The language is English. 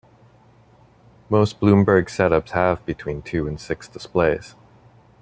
Most Bloomberg setups have between two and six displays.